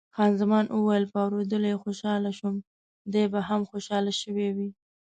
خان زمان وویل، په اورېدلو یې خوشاله شوم، دی به هم خوشاله شوی وي.